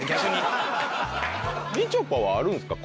みちょぱはあるんですか？